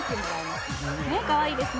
かわいいですね。